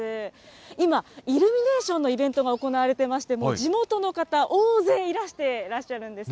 今、イルミネーションのイベントが行われてまして、もう地元の方、大勢いらしてらっしゃるんです。